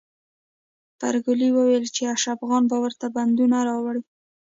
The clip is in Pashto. پريګلې وویل چې اشرف خان به ورته بندونه راوړي